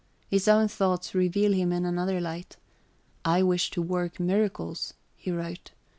His own thoughts reveal him in another light. "I wish to work miracles," he wrote.